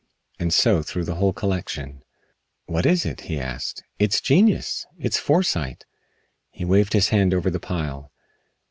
And so through the whole collection. "What is it?" he asked. "It's genius! It's foresight." He waved his hand over the pile.